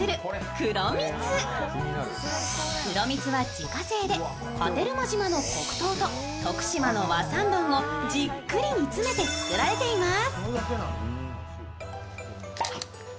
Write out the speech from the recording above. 黒蜜は自家製で、波照間島の黒糖と徳島の和三盆をじっくり煮詰めて作られています。